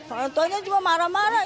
orang tuanya juga marah marah